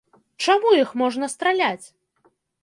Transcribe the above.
Чаму іх можна страляць?